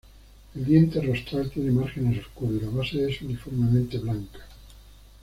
El diente rostral tiene márgenes oscuros, y la base es uniformemente blanca.